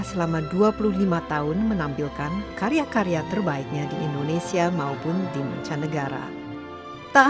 sampai akhir melutut mata